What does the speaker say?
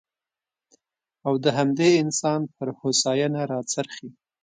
او د همدې انسان پر هوساینه راڅرخي.